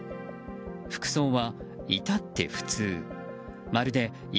服装は至って普通。